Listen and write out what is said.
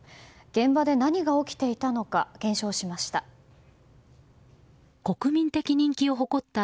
現場で何が起きていたのか検証しました。